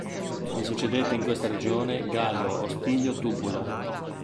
Gli succedette in questa regione Gaio Ostilio Tubulo.